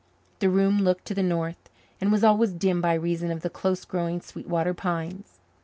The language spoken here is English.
The room looked to the north and was always dim by reason of the close growing Sweetwater pines.